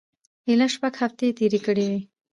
ایله شپږ هفتې یې تېرې کړې وې.